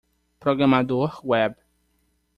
Programador Web.